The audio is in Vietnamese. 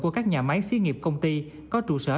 của các nhà máy xí nghiệp công ty có trụ sở